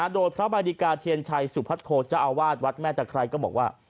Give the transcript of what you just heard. โดยพระบาดิกาเทียนชัยสุพัทโทเจ้าอาวาสวัดแม่ตะไคร้ก็บอกว่า